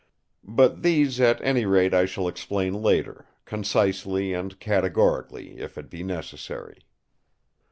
But these at any rate I shall explain later, concisely and categorically, if it be necessary.